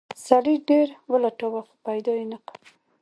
سړي ډیر ولټاوه خو پیدا یې نه کړ.